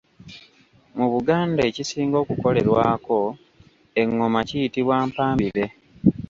Mu Buganda ekisinga okukolerwako engoma kiyitibwa Mpambire.